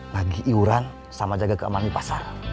bagi iuran sama jaga keamanan di pasar